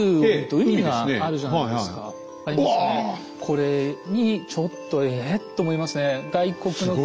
これにちょっと「え！」って思いますね。